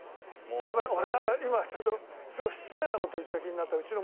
やばい俺なんか今ちょっとすごい失礼な事言った気になった「うちの娘と一緒だ」